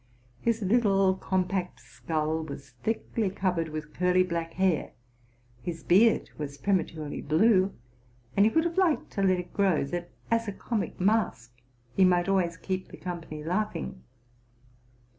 His little compact skull was thickly covered with curly black hair: his beard was prematurely blue; and he would have liked to let it grow, that, as a comic mask, he might always keep the company laughing.